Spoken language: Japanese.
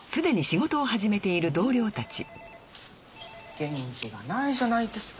元気がないじゃないですか。